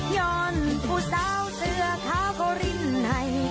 ย้อนผู้สาวเสื้อขาวเขารินให้